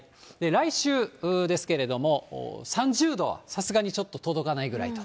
来週ですけれども、３０度、さすがにちょっと届かないぐらいと。